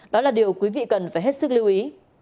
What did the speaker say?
đó là điều quý vị cần phải hết sức lưu ý